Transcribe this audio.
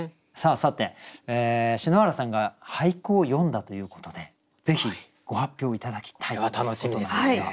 さて篠原さんが俳句を詠んだということでぜひご発表頂きたいということなんですが。